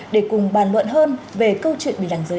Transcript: để cùng bàn luận hơn về câu chuyện bình đẳng giới